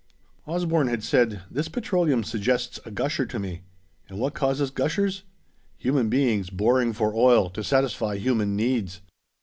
Osborne had said, "This petroleum suggests a gusher to me. And what causes gushers? Human beings, boring for oil, to satisfy human needs."